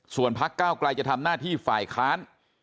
ส่วนพักเก้าไกลจะทำหน้าที่ฝ่ายค้าน